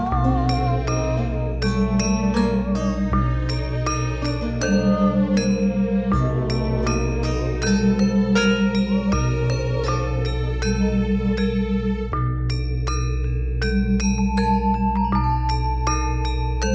di dalam selalu tidak bisa mengembangkan